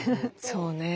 そうね。